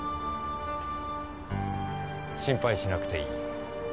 心配しなくていい。